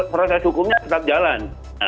proses hukumnya tetap jalan